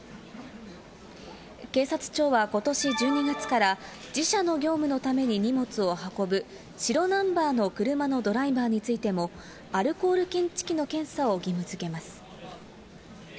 警察庁はことし１２月から、自社の業務のために荷物を運ぶ白ナンバーの車のドライバーについても、アルコール検知器の検査を義務づけます。